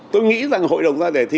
tôi nghĩ rằng hội đồng gia đề thi